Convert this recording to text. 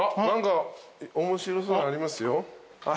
何か面白そうなのありますよ。